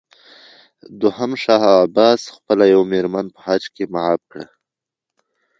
دوهم شاه عباس خپله یوه مېرمن په حج کې معاف کړه.